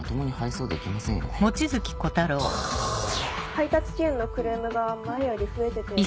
配達遅延のクレームが前より増えてて。